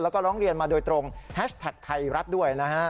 แล้วก็ร้องเรียนมาโดยตรงแฮชแท็กไทยรัฐด้วยนะฮะ